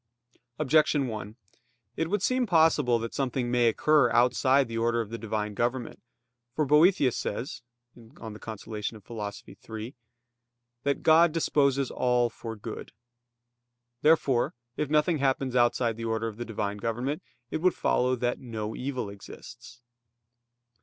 Objection 1: It would seem possible that something may occur outside the order of the Divine government. For Boethius says (De Consol. iii) that "God disposes all for good." Therefore, if nothing happens outside the order of the Divine government, it would follow that no evil exists.